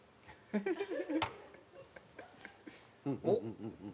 おっ。